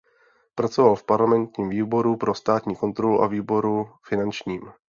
Pracoval v parlamentním výboru pro státní kontrolu a výboru finančním.